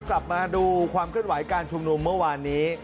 กลับมาดูความเคลื่อนไหวการชุมนุมเมื่อวานนี้